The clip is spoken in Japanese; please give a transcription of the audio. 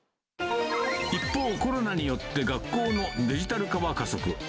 一方、コロナによって学校のデジタル化が加速。